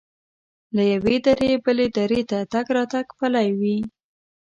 له یوې درې بلې درې ته تګ راتګ پلی وي.